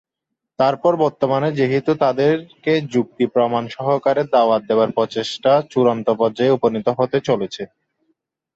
তারপর বর্তমানে যেহেতু তাদেরকে যুক্তি প্রমাণ সহকারে দাওয়াত দেবার প্রচেষ্টা চূড়ান্ত পর্যায়ে উপনীত হতে চলেছে।